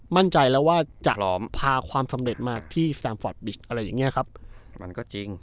มั่นใจแล้วว่าจะพาความสำเร็จมาที่อะไรอย่างเงี้ยครับมันก็จริง